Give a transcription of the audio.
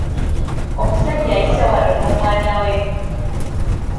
Omusajja ayise wano n'omwana we.